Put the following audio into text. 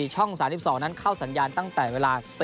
ช่อง๓๒นั้นเข้าสัญญาณตั้งแต่เวลา